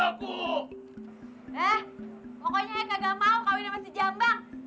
eh pokoknya kagak mau kawin sama si jambang